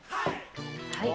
はい。